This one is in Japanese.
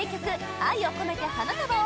「愛を込めて花束を」